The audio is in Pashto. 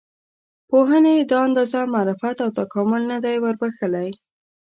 پوهنې دا اندازه معرفت او تکامل نه دی وربښلی.